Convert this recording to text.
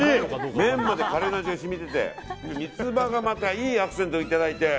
麺までカレーの味が染みてて三つ葉がまたいいアクセントをいただいて。